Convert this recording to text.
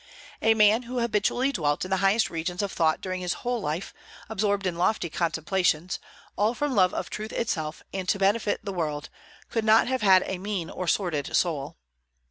A man who habitually dwelt in the highest regions of thought during his whole life, absorbed in lofty contemplations, all from love of truth itself and to benefit the world, could not have had a mean or sordid soul.